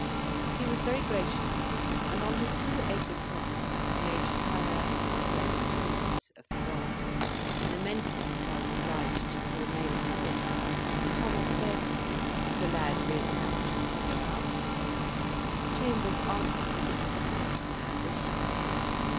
He was very gracious, and, on his two aides de camp Major Tyler and my friend Chambers, of the Guards lamenting that I was obliged to remain at home, Sir Thomas said, "Is the lad really anxious to go out?" Chambers answered that it was the height of my ambition.